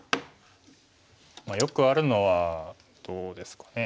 よくあるのはどうですかね。